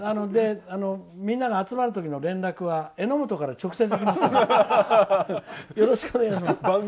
みんなが集まるときの連絡はえのもとから直接いきますからよろしくお願いします。